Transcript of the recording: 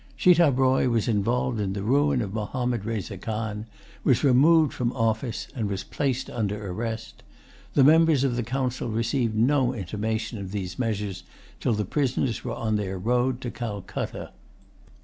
Schitab Roy was involved in the ruin of Mahommed Reza Khan, was removed from office, and was placed under arrest.[Pg 134] The members of the council received no intimation of these measures till the prisoners were on their road to Calcutta.